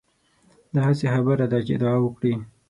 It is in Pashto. دا هسې خبره ده چې ادعا وکړي.